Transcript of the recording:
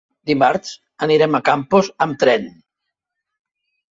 Dimarts anirem a Campos amb tren.